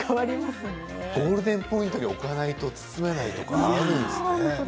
ゴールデンポイントに置かないと包めないとかあるんですね。